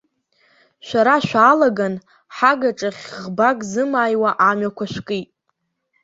Шәара шәаалаган, ҳагаҿахь ӷбак зымааиуа амҩақәа шәкит.